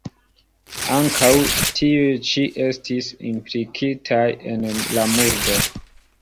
Ankaŭ tiuj ĉi estis implikitaj en la murdo.